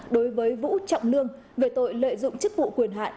đối với vũ trọng lương về tội lợi dụng chức vụ quyền hạn